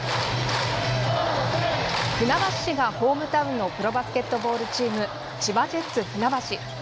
船橋市がホームタウンのプロバスケットボールチーム千葉ジェッツふなばし。